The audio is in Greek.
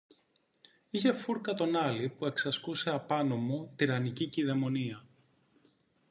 Είχα φούρκα τον Άλη που εξασκούσε απάνω μου τυραννική κηδεμονία